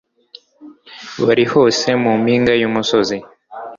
bari hose mu mpinga y'umusozi